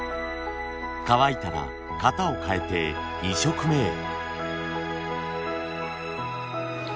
乾いたら型を変えて２色目へ。